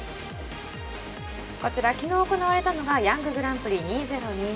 昨日行われたのがヤンググランプリ２０２１。